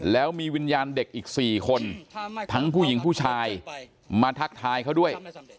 แล้วมีวิญญาณเด็กอีก๔คนทั้งผู้หญิงผู้ชายมาทักทายเขาด้วย